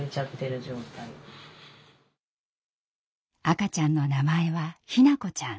赤ちゃんの名前は日向子ちゃん。